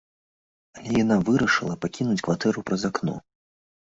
Але яна вырашыла пакінуць кватэру праз акно.